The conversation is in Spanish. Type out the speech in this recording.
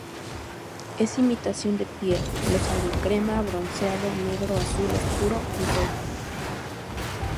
En imitación de piel los hay en crema, bronceado, negro, azul oscuro y rojo.